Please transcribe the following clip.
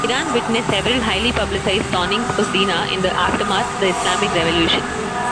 Iran witnessed several highly publicized stonings for zina in the aftermath the Islamic revolution.